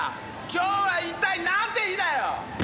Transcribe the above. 今日は一体なんて日だよ！